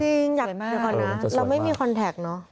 จริงอยากถือก่อนนะเราไม่มีคอนแทคเนอะ